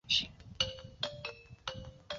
博拉泽克人口变化图示